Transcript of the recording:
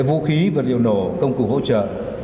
vũ khí và lượng nổ công cụ hỗ trợ